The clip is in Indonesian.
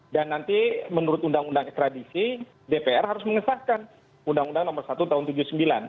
dan nanti menurut undang undang ekstradisi dpr harus mengesahkan undang undang nomor satu tahun seribu sembilan ratus tujuh puluh sembilan